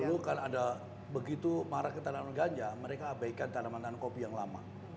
memang dulu kan ada begitu marah ketanaman ganja mereka abaikan tanaman tanaman kopi yang lama